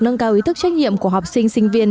nâng cao ý thức trách nhiệm của học sinh sinh viên